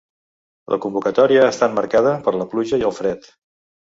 La convocatòria ha estat marcada per la pluja i el fred.